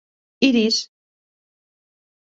Iris.